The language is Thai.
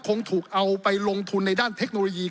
คงถูกเอาไปลงทุนในด้านเทคโนโลยี